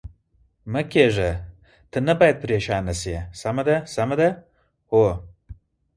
مه کېږه، ته نه باید پرېشانه شې، سمه ده، سمه ده؟ هو.